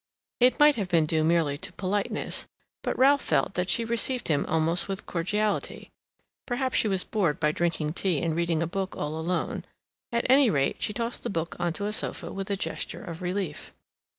It might have been due merely to politeness, but Ralph felt that she received him almost with cordiality. Perhaps she was bored by drinking tea and reading a book all alone; at any rate, she tossed the book on to a sofa with a gesture of relief.